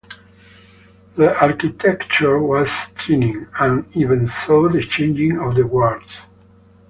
The architecture was stunning, and I even saw the changing of the guards.